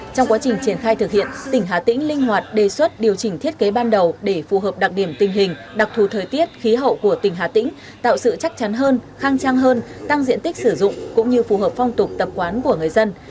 trong quá trình triển khai thực hiện tỉnh hà tĩnh linh hoạt đề xuất điều chỉnh thiết kế ban đầu để phù hợp đặc điểm tình hình đặc thù thời tiết khí hậu của tỉnh hà tĩnh tạo sự chắc chắn hơn khang trang hơn tăng diện tích sử dụng cũng như phù hợp phong tục tập quán của người dân